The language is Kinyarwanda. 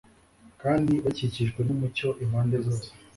kandi bakikijwe numucyo impande zose